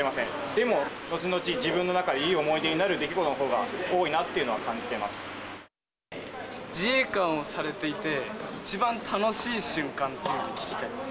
でも、後々自分の中でいい思い出になる出来事のほうが多いなっていうの自衛官をされていて、一番楽しい瞬間っていうのを聞きたいです。